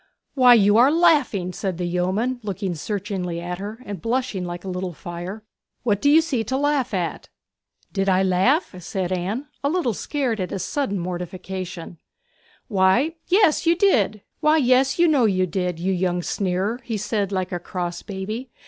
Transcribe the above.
'Why, you are laughing!' said the yeoman, looking searchingly at her and blushing like a little fire. 'What do you see to laugh at?' 'Did I laugh?' said Anne, a little scared at his sudden mortification. 'Why, yes; you know you did, you young sneerer,' he said like a cross baby.